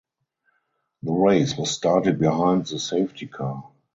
The race was started behind the safety car.